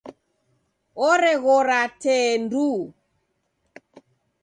Oreghiora tee nduu.